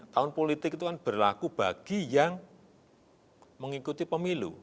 tahun politik itu kan berlaku bagi yang mengikuti pemilu